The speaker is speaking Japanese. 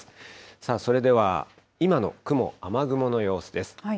さあ、それでは今の雲、雨雲の様子です。